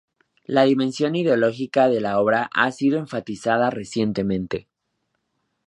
La dimensión ideológica de la obra ha sido enfatizada recientemente.